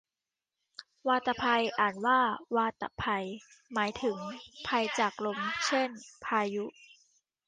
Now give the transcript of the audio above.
วาตภัย อ่านว่าวาตะไพ หมายถึงภัยจากลม เช่นพายุ